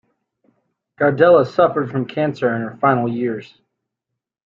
Gardella suffered from cancer in her final years.